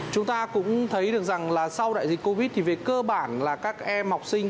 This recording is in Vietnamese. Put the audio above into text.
chúng ta cũng thấy được rằng là sau đại dịch covid thì về cơ bản là các em học sinh